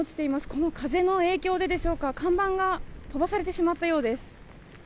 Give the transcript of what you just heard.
この風の影響ででしょうか看板が飛ばされてしまったようです。